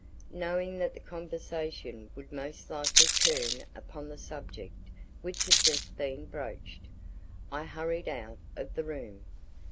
Knowing that the conversation would most likely turn upon the subject which had just been broached, I hurried out of the room.